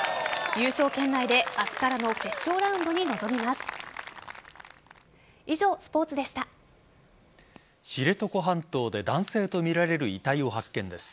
優勝圏内で明日からの決勝ラウンドに臨みます。